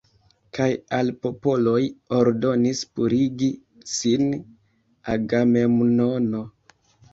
Kaj al popoloj ordonis purigi sin Agamemnono.